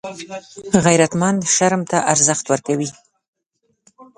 غیرتمند شرم ته ارزښت ورکوي